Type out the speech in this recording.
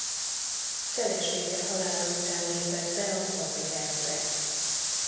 Felesége halála után lépett be a papi rendbe.